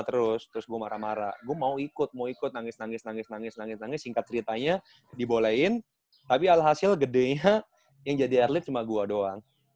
terus terus gua marah marah gua mau ikut mau ikut nangis nangis nangis nangis nangis singkat ceritanya dibolehin tapi alhasil gedenya yang jadi atlet cuma gua doang